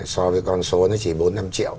so với con số nó chỉ bốn năm triệu